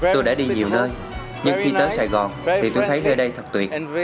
tôi đã đi nhiều nơi nhưng khi tới sài gòn thì tôi thấy nơi đây thật tuyệt